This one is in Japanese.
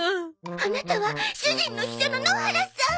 アナタは主人の秘書の野原さん！